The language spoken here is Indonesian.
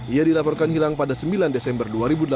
ia dilaporkan hilang pada sembilan desember dua ribu delapan belas